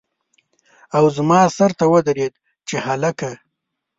او زما سر ته ودرېد چې هلکه!